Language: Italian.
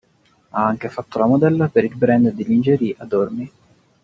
Ha anche fatto la modella per il brand di lingerie, Adore Me.